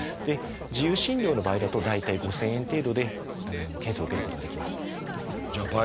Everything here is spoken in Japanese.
自由診療の場合だと大体５，０００円程度で検査を受けることができます。